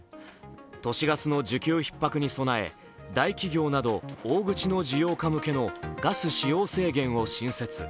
都市ガスの需給ひっ迫に備え大企業など大口の需要家向けのガス使用制限を新設。